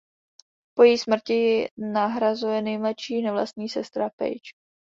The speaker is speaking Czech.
Po její smrti ji nahrazuje nejmladší nevlastní sestra Paige.